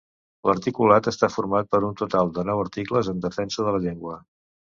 L'articulat està format per un total de nou articles en defensa de la llengua.